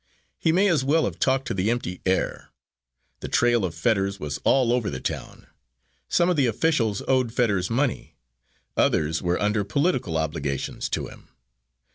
He may as well have talked to the empty air. The trail of Fetters was all over the town. Some of the officials owed Fetters money; others were under political obligations to him.